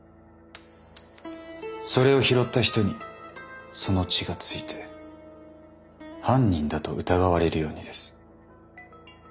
それを拾った人にその血が付いて犯人だと疑われるようにです。